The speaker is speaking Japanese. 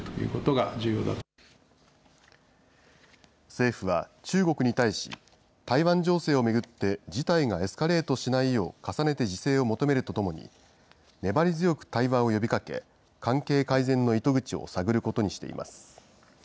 政府は、中国に対し、台湾情勢を巡って、事態がエスカレートしないよう、重ねて自制を求めるとともに、粘り強く対話を呼びかけ、関係改善の糸口を探ることにしています。